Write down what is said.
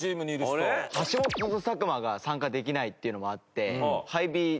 橋本と作間が参加できないっていうのもあって。